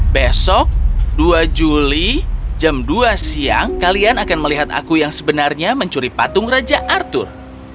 besok dua juli jam dua siang kalian akan melihat aku yang sebenarnya mencuri patung raja arthur